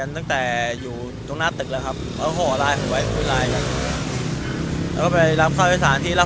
แล้วสรุปวันนั้นเราเอาเวงกี่โมงอ่ะพี่ให้ให้ออกเลิกงานกี่โมง